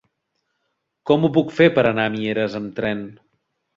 Com ho puc fer per anar a Mieres amb tren?